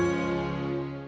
yaudah aku jalan ya